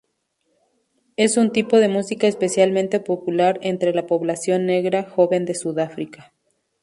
Es un tipo de música especialmente popular entre la población negra joven de Sudáfrica.